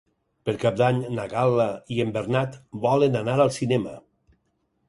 Per Cap d'Any na Gal·la i en Bernat volen anar al cinema.